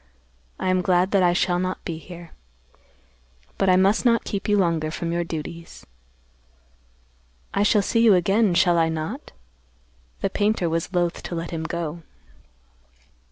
I am glad that I shall not be here. But I must not keep you longer from your duties." "I shall see you again, shall I not?" The painter was loath to let him go.